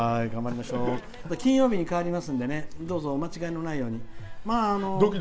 金曜日に変わりますのでどうぞお間違えのないように。